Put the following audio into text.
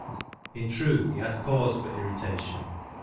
In truth he had cause for irritation.